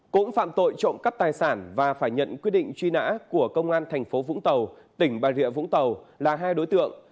cũng phạm tội trộm cắp tài sản và phải nhận quyết định truy nã của công an thành phố vũng tàu tỉnh bà rịa vũng tàu là hai đối tượng